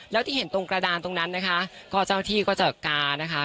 แล้วที่เห็นตรงกระดานตรงนั้นนะคะก็เจ้าที่ก็จะกานะคะ